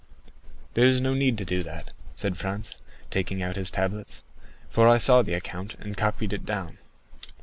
"There is no need to do that," said Franz, taking out his tablets; "for I saw the account, and copied it down."